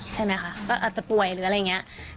ใช่ไหมคะก็อาจจะป่วยหรืออะไรอย่างนี้